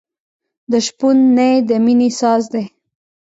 د شپون نی د مینې ساز دی.